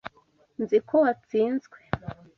Nzi ko watsinzwe.